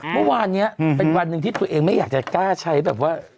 เมื่อวานนี้เป็นวันหนึ่งที่ตัวเองไม่อยากจะกล้าใช้แบบว่า